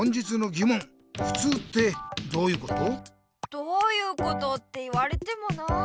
「どういうこと？」って言われてもなあ。